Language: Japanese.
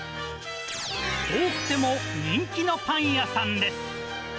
遠くても人気のパン屋さんです。